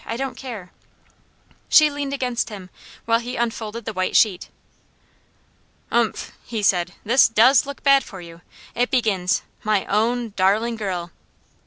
I don't care." She leaned against him, while he unfolded the white sheet. "Umph!" he said. "This DOES look bad for you. It begins: 'My own darling Girl.'"